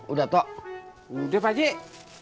udah tok udah pakcik